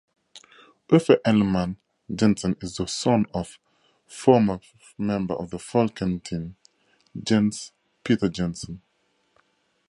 Uffe Ellemann-Jensen is the son of former member of the Folketing Jens Peter Jensen.